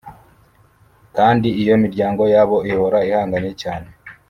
kandi iyo miryango yabo ihora ihanganye cyane